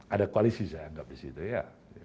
ada koalisi saya anggap disitu ya